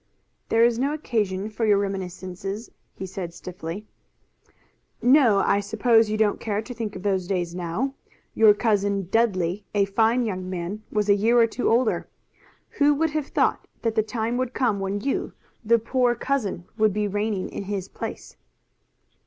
"There is no occasion for your reminiscences," he said stiffly. "No, I suppose you don't care to think of those days now. Your cousin, Dudley, a fine young man, was a year or two older. Who would have thought that the time would come when you the poor cousin would be reigning in his place?"